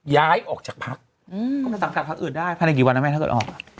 ย้ายออกจากพักอืดได้พรรดีวันถ้าไม่ได้ออก